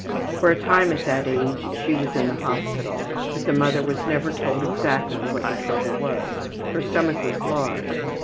For a time at that age she was in the hospital, but the mother was never told exactly what the trouble was. Her stomach was large.